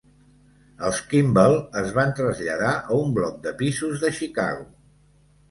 Els Kimble es van traslladar a un bloc de pisos de Chicago.